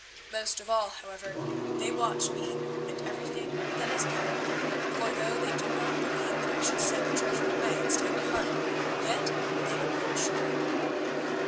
Most of all, however, they watch me and everything that is mine. For though they do not believe that I should send the treasure away and stay behind, yet they are not sure."